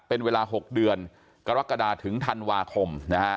เป็นเวลา๖เดือนกรกฎาถึงธันวาคมนะฮะ